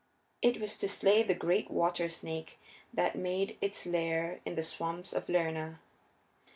It was to slay the great water snake that made its lair in the swamps of Lerna.